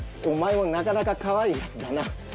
お前もなかなかかわいいヤツだな。